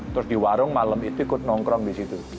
terus di warung malam itu ikut nongkrong di situ